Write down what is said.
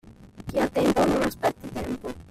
Chi ha tempo non aspetti tempo.